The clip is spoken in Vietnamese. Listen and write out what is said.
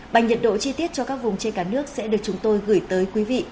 và nhiệt độ chi tiết cho các vùng trên cả nước sẽ được chúng tôi gửi tới quý vị